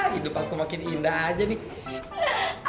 hidup aku makin indah aja nih